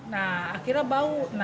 nah akhirnya bau